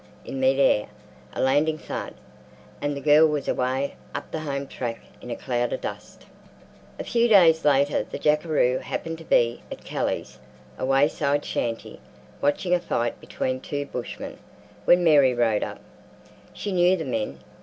in mid air, a landing thud, and the girl was away up the home track in a cloud of dust. A few days later the jackaroo happened to be at Kelly's, a wayside shanty, watching a fight between two bushmen, when Mary rode up. She knew the men.